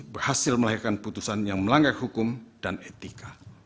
berhasil melahirkan putusan yang melanggar hukum dan etika